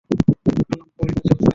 Palampur, Himachal, sir.